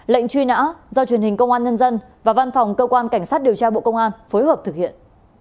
lệnh truy nã do truyền hình công an nhân dân và văn phòng cơ quan cảnh sát điều tra bộ công an phối hợp thực hiện